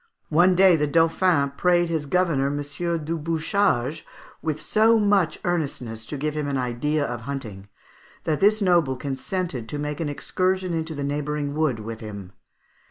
One day the Dauphin prayed his governor, M. du Bouchage, with so much earnestness to give him an idea of hunting, that this noble consented to make an excursion into the neighbouring wood with him.